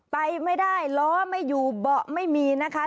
ไปไม่ได้ล้อไม่อยู่เบาะไม่มีนะคะ